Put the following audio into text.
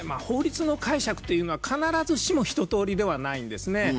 法律の解釈というのは必ずしも一通りではないんですね。